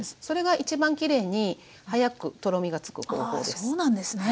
それが一番きれいに早くとろみがつく方法です。